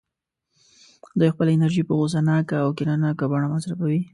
دوی خپله انرژي په غوسه ناکه او کینه ناکه بڼه مصرفوي